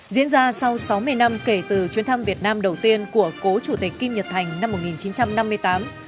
diễn ra sau sáu mươi năm kể từ chuyến thăm việt nam đầu tiên của cố chủ tịch kim nhật thành năm một nghìn chín trăm năm mươi tám